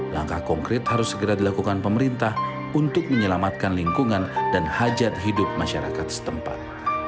langkah konkret harus segera dilakukan pemerintah untuk menyelamatkan lingkungan dan hajat hidup masyarakat setempat